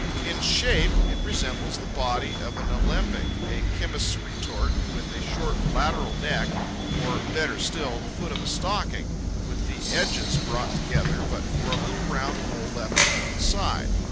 In shape, it resembles the body of an alembic, a chemist's retort with a short lateral neck, or, better still, the foot of a stocking, with the edges brought together, but for a little round hole left at one side.